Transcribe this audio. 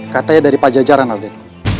katanya dari pajajaran raden